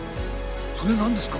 「それ何ですか？」